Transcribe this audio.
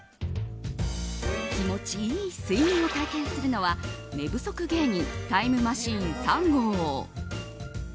気持ちいい睡眠を体験するのは寝不足芸人、タイムマシーン３号。